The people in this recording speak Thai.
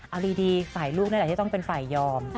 เอาดีฝ่ายลูกนั่นแหละที่ต้องเป็นฝ่ายยอม